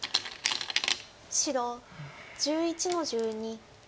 白１１の十二。